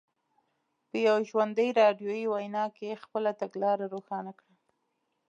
په یوه ژوندۍ راډیویي وینا کې خپله تګلاره روښانه کړه.